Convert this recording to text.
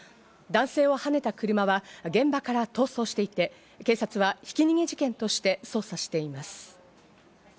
男性をはねた車は現場から逃走していて、警察は、ひき逃げ事件として捜査しています。